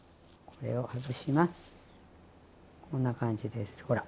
こんな感じですほら。